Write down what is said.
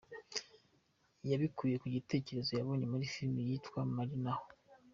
yabikuye ku gitekerezo yabonye muri filimi yitwa Marina aho